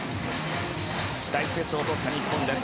第１セットを取った日本です。